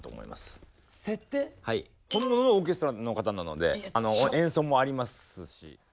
本物のオーケストラの方なので演奏もありますし。